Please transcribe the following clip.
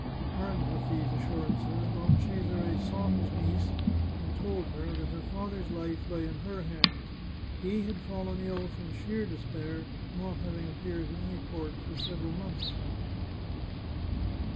Armed with these assurances, Don Cesare sought his niece, and told her that her father's life lay in her hands ; he had fallen ill from sheer despair, not having appeared at any court for several months.